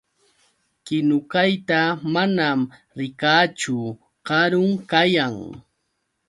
Kinukayta manam rikaachu. Karun kayan.